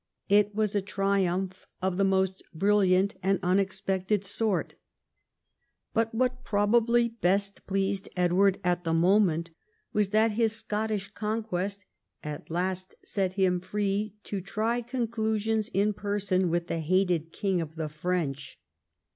It was a triumph of the most brilliant and unexpected sort. But wliut probably best pleased Edward at the moment was, that his Scottish conquest at last set him free to try conclusions in person with the hated king of the French.